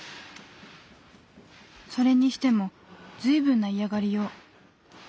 それにしても随分な嫌がりよう。